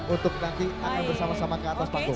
untuk nanti akan bersama sama ke atas panggung